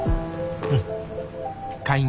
うん。